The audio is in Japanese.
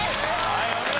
はいお見事！